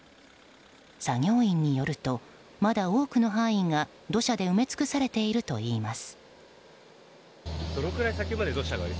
作業員によるとまだ多くの範囲が土砂で埋め尽くされているといいます。